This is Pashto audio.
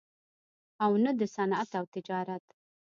او نه دَصنعت او تجارت